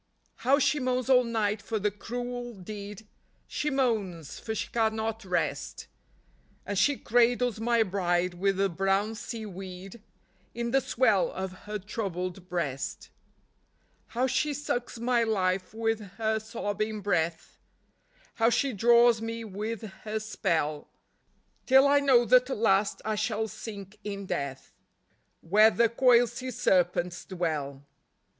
How she moans all night for the cruel deed ; She moans, for she cannot rest ; And she cradles my bride with the brown sea weed In the swell of her troubled breast. How she sucks my life with her sobbing breath, How she draws me with her spell, Till I know that at last I shall sink in death Where the coiled sea serpents dwell.